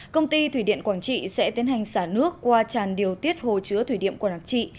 công ty thủy điện quảng trị sẽ tiến hành xả nước qua tràn điều tiết hồ chứa thủy điện quảng lạc trị